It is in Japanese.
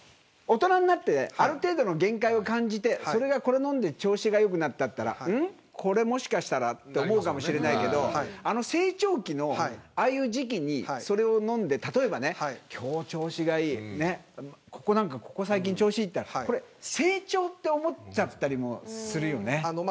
大人になって、ある程度の限界を感じて、それがこれ飲んで調子がよくなったとなったらうん、これもしかしてって思うかもしれないけど成長期のああいう時期にそれを飲んで、例えばね今日、調子がいいここ最近、調子がいいとなったらこれ成長と思っちゃったりもするよね。